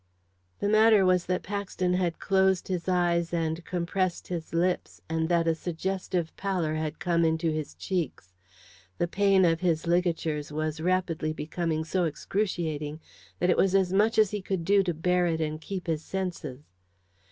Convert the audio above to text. The matter was that Paxton had closed his eyes and compressed his lips, and that a suggestive pallor had come into his cheeks. The pain of his ligatures was rapidly becoming so excruciating that it was as much as he could do to bear it and keep his senses.